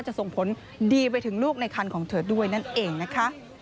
ส่งผลดีไปถึงลูกในคันของเธอด้วยนั่นเองนะคะ